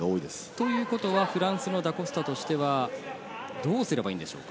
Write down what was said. ということはフランスのダ・コスタとしては、どうすればいいんでしょうか。